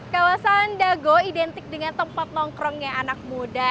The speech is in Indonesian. kawasan dago identik dengan tempat nongkrongnya anak muda